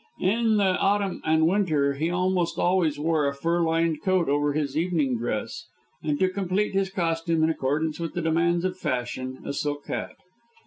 In the autumn and winter he almost always wore a fur lined coat over his evening dress, and to complete his costume, in accordance with the demands of fashion, a silk hat.